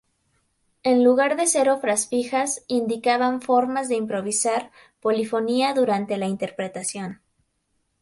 En lugar de ser obras fijas, indicaban formas de improvisar polifonía durante la interpretación.